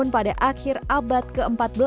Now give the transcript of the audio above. pada akhir abad ke empat belas